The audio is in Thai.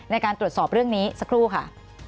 ในการตรวจสอบเรื่องนี้สักครู่ค่ะ